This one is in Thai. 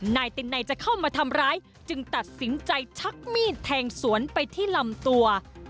นายตินัยจะเข้ามาทำร้ายจึงตัดสินใจชักมีดแทงสวนไปที่ลำตัว